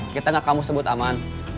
kita gak kamu sebut aman